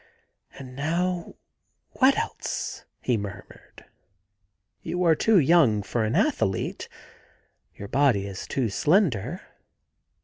*And now what else?' he murmured. *You are too young for an athlete. Your body is too slender.